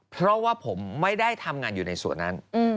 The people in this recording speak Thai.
เพราะว่าผมไม่ได้ทำงานอยู่ในส่วนนั้น